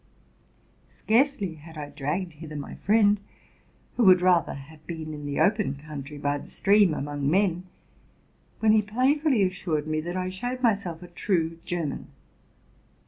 Searcely had I dragged hither my friend, who woul.) rather have been in the open country by the stream, amony men, when he playfully assured me that I showed myself a true German.